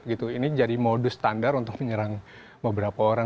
ini jadi modus standar untuk menyerang beberapa orang